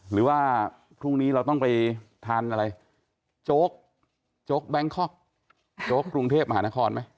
หรือว่าพรุ่งนี้เราต้องไปทานอะไรโจ๊กโจ๊กแบงคอกโจ๊กกรุงเทพมหานครไหม